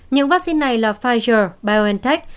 những vaccine này là pfizer biontech